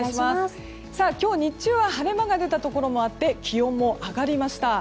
今日日中は晴れ間が出たところもあって気温も上がりました。